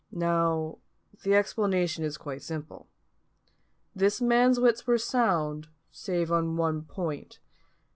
Now the explanation is quite simple. This man's wits were sound, save on one point.